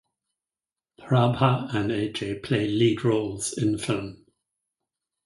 Prabha and Ajay play lead roles in the film.